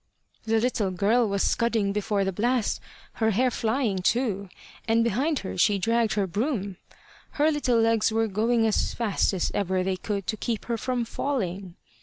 The little girl was scudding before the blast, her hair flying too, and behind her she dragged her broom. Her little legs were going as fast as ever they could to keep her from falling.